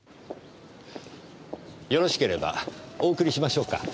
よろしければお送りしましょうか？